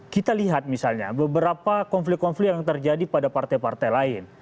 kita lihat misalnya beberapa konflik konflik yang terjadi pada partai partai lain